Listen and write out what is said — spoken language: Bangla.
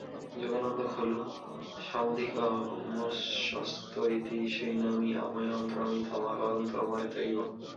যোগানন্দ খলু সমধিকমস্বস্থ ইতি শৃণোমি আমন্ত্রয়ামি তমাগন্তুমত্রৈব।